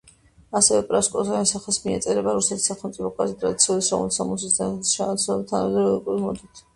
ასევე პრასკოვიას სახელს მიეწერება რუსეთის სამეფო კარზე ტრადიციული სლავური სამოსის ჩანაცვლება თანამედროვე ევროპული მოდით.